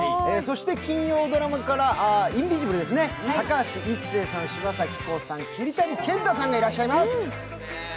そして金曜ドラマから「インビジブル」ですね、高橋一生さん、柴咲コウさん、桐谷健太さんがいらっしゃいます。